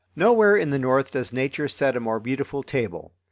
Nowhere in the north does Nature set a more bountiful table.